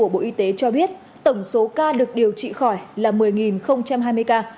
bộ y tế cho biết tổng số ca được điều trị khỏi là một mươi hai mươi ca